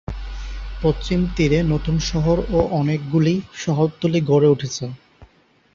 পশ্চিম তীরে নতুন শহর ও অনেকগুলি শহরতলী গড়ে উঠেছে।